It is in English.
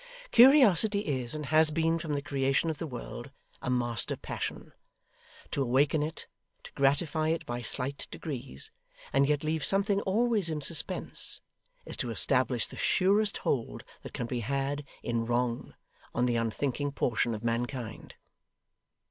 Curiosity is, and has been from the creation of the world, a master passion. To awaken it, to gratify it by slight degrees, and yet leave something always in suspense, is to establish the surest hold that can be had, in wrong, on the unthinking portion of mankind.